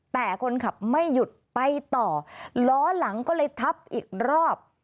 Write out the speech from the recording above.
แต่คนขับไม่หยุดไปต่อล้อหลังก็เลยทับอีกรอบ